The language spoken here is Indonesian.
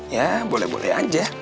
ya boleh boleh aja